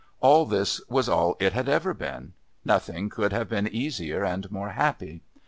All this was all it had ever been; nothing could have been easier and more happy.